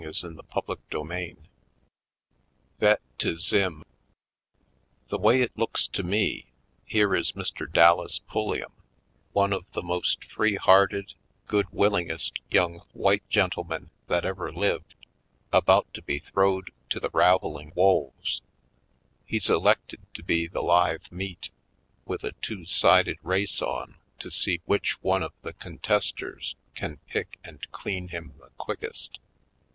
Vet to Zym 195 CHAPTER XV Vet to Zym THE way it looks to me, here is Mr. Dallas PuUiam, one of the most free hearted, good willingest young white gentlemen that ever lived, about to be throwed to the raveling wolves. He's elected to be the live meat, with a two sided race on to see which one of the contesters can pick and clean him the quickest.